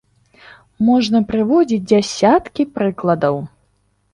Можна прыводзіць дзясяткі прыкладаў.